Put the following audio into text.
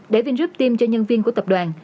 để vingroup tiêm cho nhân viên của tập đoàn